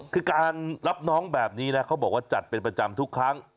คือการรับน้องแบบนี้นะเขาบอกว่าจัดเป็นประจำทุกครั้ง